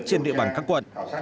trên địa bàn các quận